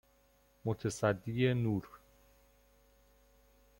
متصدی نور